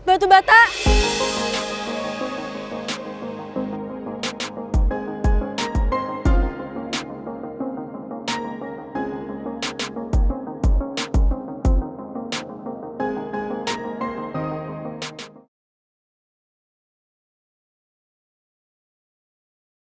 aku cuma menunggu